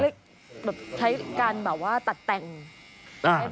แบบใช้การแบบว่าตัดแต่ง